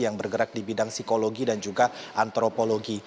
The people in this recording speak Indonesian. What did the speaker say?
yang bergerak di bidang psikologi dan juga antropologi